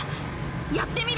やってみる！